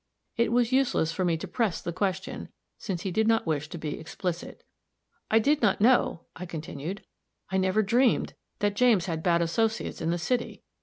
It was useless for me to press the question, since he did not wish to be explicit. "I did not know," I continued, "I never dreamed, that James had bad associates in the city.